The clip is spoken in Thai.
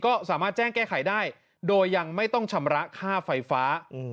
ก็สามารถแจ้งแก้ไขได้โดยยังไม่ต้องชำระค่าไฟฟ้า